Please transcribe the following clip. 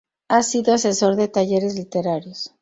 Ha sido asesor de talleres literarios.